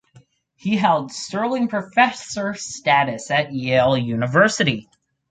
He held Sterling Professor status at Yale University.